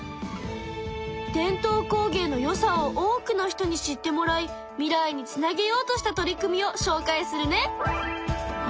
伝統工芸のよさを多くの人に知ってもらい未来につなげようとした取り組みをしょうかいするね。